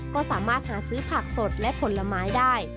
ก็สามารถหาซื้อผักสดและผลไม้ได้